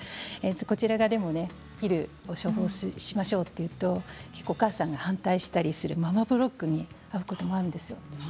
こちらが、でもねピルを処方しましょうと言うと結構お母さんが反対したりするママブロックにあうこともあるんですよ。